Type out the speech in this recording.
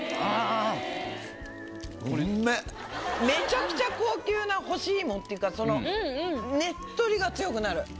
めちゃくちゃ高級な干し芋っていうかそのねっとりが強くなる。